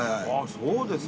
そうですか。